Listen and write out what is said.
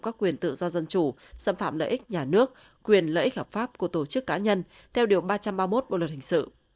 các quyền tự do dân chủ xâm phạm lợi ích nhà nước quyền lợi ích hợp pháp của tổ chức cá nhân theo điều ba trăm ba mươi một bộ luật hình sự